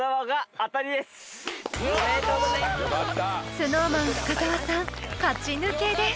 ［ＳｎｏｗＭａｎ深澤さん勝ち抜けです］